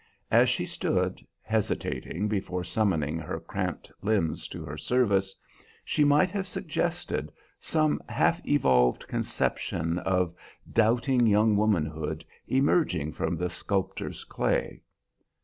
As she stood, hesitating before summoning her cramped limbs to her service, she might have suggested some half evolved conception of doubting young womanhood emerging from the sculptor's clay.